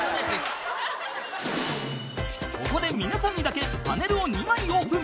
［ここで皆さんにだけパネルを２枚オープン］